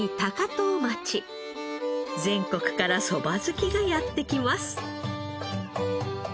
全国からそば好きがやって来ます。